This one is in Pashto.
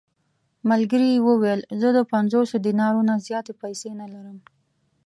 ملګري یې وویل: زه د پنځوسو دینارو نه زیاتې پېسې نه لرم.